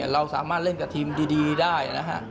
เราสามารถเล่นกับทีมดีได้นะฮะ